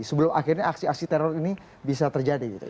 sebelum akhirnya aksi aksi teror ini bisa terjadi gitu